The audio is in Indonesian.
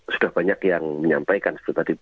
sudah banyak yang menyampaikan